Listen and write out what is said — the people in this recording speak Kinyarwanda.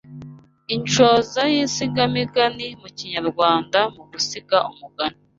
Inshoza y’insigamugani Mu Kinyarwanda gusiga umugani